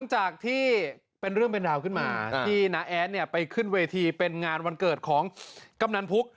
จากที่เป็นเรื่องเป็นราวขึ้นมาที่น้าแอดเนี่ยไปขึ้นเวทีเป็นงานวันเกิดของกำนันพุก